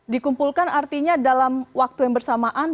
dikumpulkan artinya dalam waktu yang bersamaan